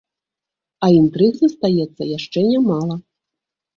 А інтрыг застаецца яшчэ нямала.